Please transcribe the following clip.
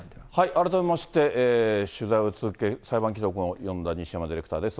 改めまして、取材を続け、裁判記録を読んだ西山ディレクターです。